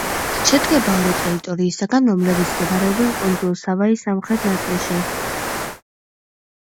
შედგება ორი ტერიტორიისგან, რომლებიც მდებარეობენ კუნძულ სავაის სამხრეთ ნაწილში.